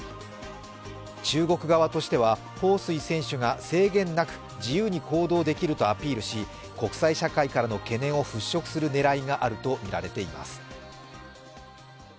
中国側としては彭帥選手が制限なく自由に行動できるとアピールし、国際社会からの懸念を払拭する狙いがあるとみられています。